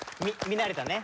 見慣れたね。